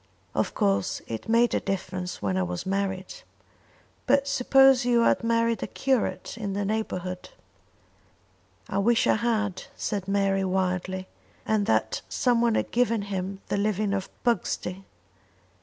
"Of course it made a difference when I was married." "But suppose you had married a curate in the neighbourhood." "I wish I had," said Mary wildly, "and that someone had given him the living of Pugsty."